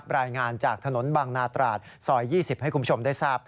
รายงานจากถนนบางนาตราดซอย๒๐ให้คุณผู้ชมได้ทราบ